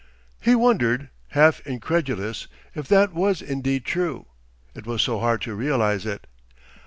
He wondered, half incredulous, if that was in deed true. It was so hard to realise it.